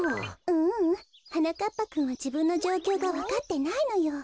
ううんはなかっぱくんはじぶんのじょうきょうがわかってないのよ。